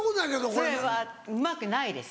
それはうまくないです。